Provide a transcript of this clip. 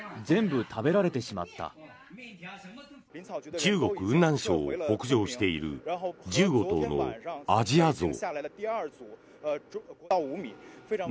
中国・雲南省を北上している１５頭のアジアゾウ。